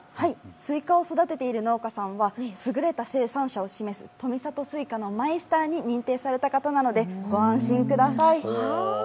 スイカを育てている農家さんは優れた生産者を示す富里スイカのマイスターに認定された方なのでご安心ください。